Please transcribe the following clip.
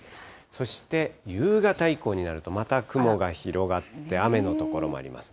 そして夕方以降になると、また雲が広がって雨の所もあります。